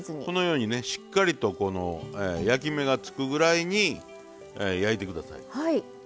このようにねしっかりと焼き目が付くぐらいに焼いて下さい。